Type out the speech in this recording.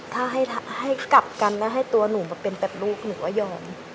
ถ้าให้กลับกันแล้วให้ตัวหนูมาเป็นแบบลูกหนูก็ยอม